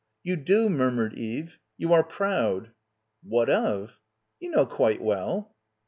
"You do," murmured Eve. "You are proud." "What of?" "You know quite well."